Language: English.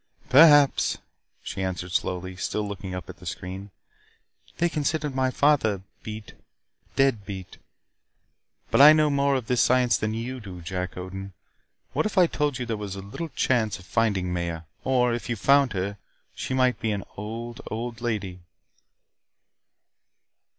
"Perhaps," she answered slowly, still looking up at the screen. "They considered my father beat dead beat. But I know more of this science than you do, Jack Odin. What if I told you there was little chance of finding Maya. Or, if you found her, she might be an old, old lady."